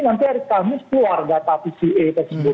nanti hari kamis keluarga pca tersebut